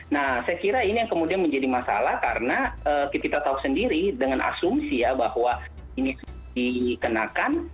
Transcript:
nah saya kira ini yang kemudian menjadi masalah karena kita tahu sendiri dengan asumsi ya bahwa ini dikenakan